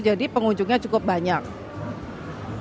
jadi pengunjungnya cukup bagus dan muy nice di sini ya